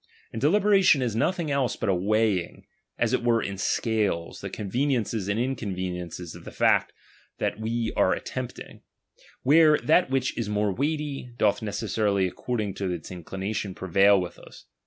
And deliberation is nothing else but a weighing, as it were in scales, the conveniences and inconveniences of the fact we are attempting ; where that which is more weighty, doth necessa rily according to its inclination prevail with us.